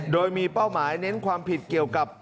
โดยมีเป้าหมายเน้นความผิดเกี่ยวกับ